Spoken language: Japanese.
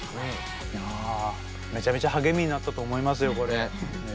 いやめちゃめちゃ励みになったと思いますよこれ。